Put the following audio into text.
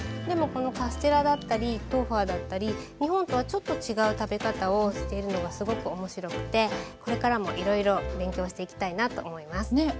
でもこのカステラだったり豆花だったり日本とはちょっと違う食べ方をしているのがすごく面白くてこれからもいろいろ勉強していきたいなと思います。